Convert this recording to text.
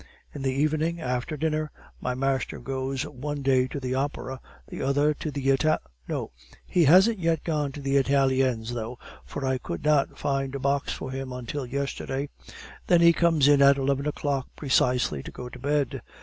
In the evening, after dinner, my master goes one day to the Opera, the other to the Ital no, he hasn't yet gone to the Italiens, though, for I could not find a box for him until yesterday. Then he comes in at eleven o'clock precisely, to go to bed.